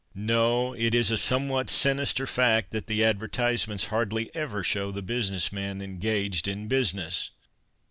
No, it is a somewhat sinister fact that the advertisements hardly ever show the business man engaged in busi ness.